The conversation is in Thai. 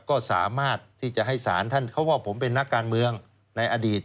ก็สามารถที่จะให้สารท่านเขาว่าผมเป็นนักการเมืองในอดีต